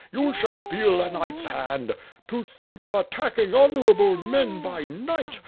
You shall feel a knight's hand. To think of attacking honorable men by night!